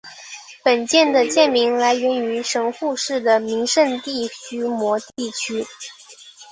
本舰的舰名来源于神户市的名胜地须磨地区。